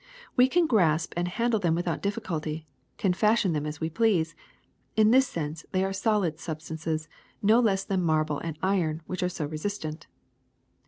We can grasp and handle them without difficulty, can fashion them as we please. In this sense they are solid sub stances no less than marble and iron, which are so resistant."